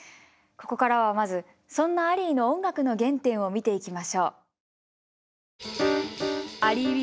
ここからはまずそんなアリーの音楽の原点を見ていきましょう。